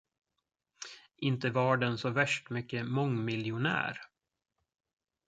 Inte var den så värst mycket mångmiljonär.